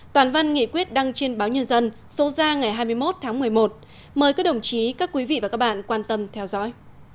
toàn văn nghị quyết đăng trên báo nhân dân số ra ngày hai mươi một tháng một mươi một mời các đồng chí các quý vị và các bạn quan tâm theo dõi